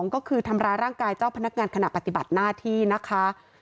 ก็คือทำร้ายร่างกายเจ้าพนักงานขณะปฏิบัติหน้าที่นะคะ